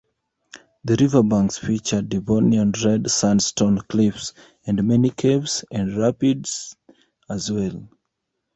The riverbanks feature Devonian red sandstone cliffs, and many caves and rapids as well.